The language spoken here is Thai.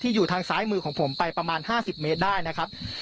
อยู่ทางซ้ายมือของผมไปประมาณ๕๐เมตรได้นะครับ